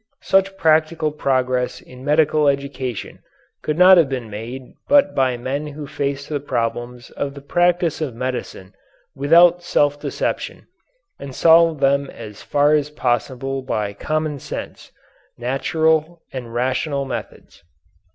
Such practical progress in medical education could not have been made but by men who faced the problems of the practice of medicine without self deception and solved them as far as possible by common sense, natural, and rational methods.